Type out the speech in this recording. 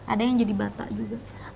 ada yang jadi bapak juga